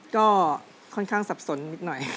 ก็ค่อนข้างสับสนนิดหน่อย